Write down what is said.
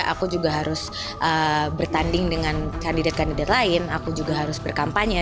aku juga harus bertanding dengan kandidat kandidat lain aku juga harus berkampanye